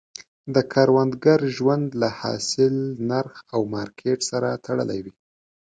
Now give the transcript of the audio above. د کروندګر ژوند له حاصل، نرخ او مارکیټ سره تړلی وي.